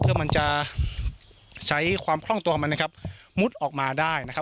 เพื่อมันจะใช้ความคล่องตัวของมันนะครับมุดออกมาได้นะครับ